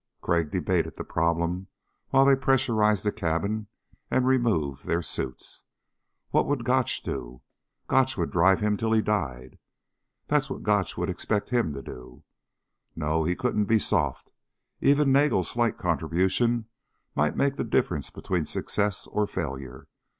Crag debated the problem while they pressurized the cabin and removed their suits. What would Gotch do? Gotch would drive him till he died. That's what Gotch would expect him to do. No, he couldn't be soft. Even Nagel's slight contribution might make the difference between success or failure.